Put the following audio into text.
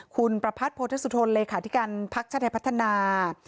คุณประพัทธ์โพธิสุทธนเลขาที่การพักชะแทนพัฒนา